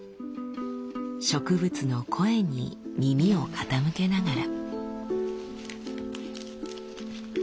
植物の声に耳を傾けながら。